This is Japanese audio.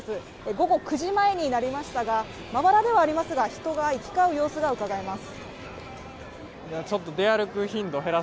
午後９時前になりましたがまばらではありますが人が行き交う様子がうかがえます。